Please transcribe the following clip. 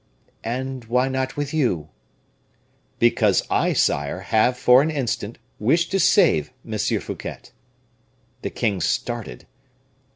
"And why not with you?" "Because I, sire, have, for an instant, wished to save M. Fouquet." The king started.